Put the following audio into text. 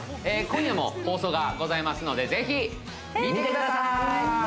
今夜も放送がございますのでぜひ見てください！